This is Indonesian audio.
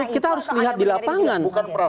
kita harus lihat di lapangan